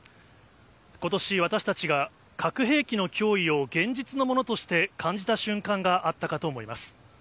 ことし、私たちが核兵器の脅威を現実のものとして感じた瞬間があったかと思います。